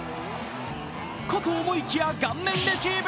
かと思いきや、顔面レシーブ。